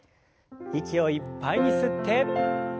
息をいっぱいに吸って。